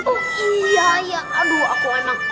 oh iya ya aduh aku enak